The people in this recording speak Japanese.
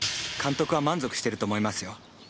監督は満足してると思いますよ。